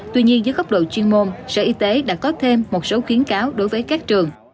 tuy nhiên dưới góc độ chuyên môn sở y tế đã có thêm một số khuyến cáo đối với các trường